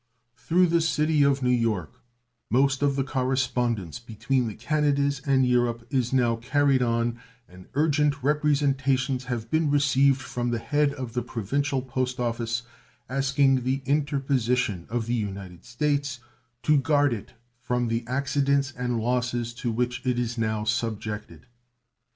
Through the city of New York most of the correspondence between the Canadas and Europe is now carried on, and urgent representations have been received from the head of the provincial post office asking the interposition of the United States to guard it from the accidents and losses to which it is now subjected.